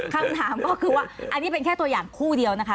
คำถามก็คือว่าอันนี้เป็นแค่ตัวอย่างคู่เดียวนะคะ